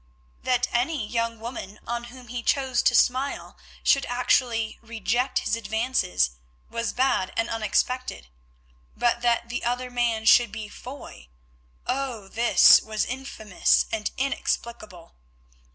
That any young woman on whom he chose to smile should actually reject his advances was bad and unexpected, but that the other man should be Foy—oh! this was infamous and inexplicable.